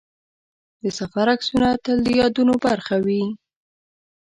د سفر عکسونه تل د یادونو برخه وي.